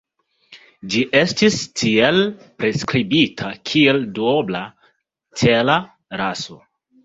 Ĝi estis tiele priskribita kiel duobla-cela raso.